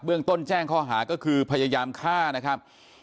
เรื่องต้นแจ้งข้อหาก็คือพยายามฆ่านะครับ